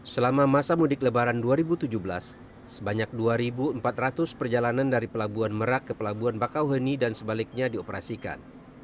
selama masa mudik lebaran dua ribu tujuh belas sebanyak dua empat ratus perjalanan dari pelabuhan merak ke pelabuhan bakauheni dan sebaliknya dioperasikan